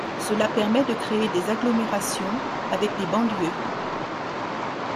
Cela permet de créer des agglomérations, avec des banlieues.